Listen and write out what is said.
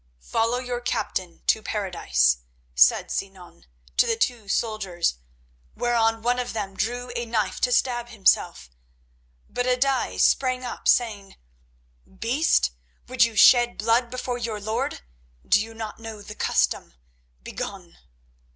"Follow your captain to Paradise," said Sinan to the two soldiers, whereon one of them drew a knife to stab himself, but a daï sprang up, saying: "Beast, would you shed blood before your lord? Do you not know the custom? Begone!"